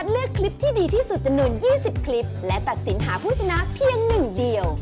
ทุกวัน๑๐คลิปและตัดสินหาผู้ชนะเพียงหนึ่งเดียว